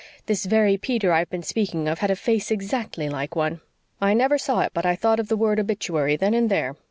This very Peter I've been speaking of had a face exactly like one. I never saw it but I thought of the word OBITUARY then and there.